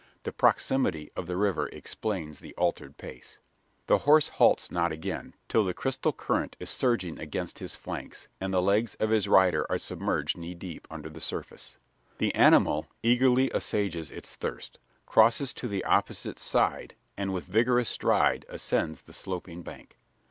The proximity of the river explains the altered pace. The horse halts not again, till the crystal current is surging against his flanks, and the legs of his rider are submerged knee deep under the surface. The animal eagerly assuages its thirst; crosses to the opposite side; and, with vigorous stride, ascends the sloping bank.